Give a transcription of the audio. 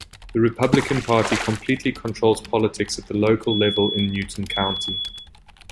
The Republican Party completely controls politics at the local level in Newton County.